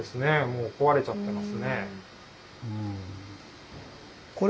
もう壊れちゃってますね。